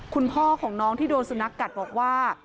คุณพ่อของน้องที่โดนสุนัขกัดบอกว่า